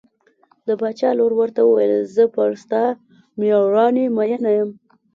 د باچا لور ورته وویل زه پر ستا مېړانې مینه یم.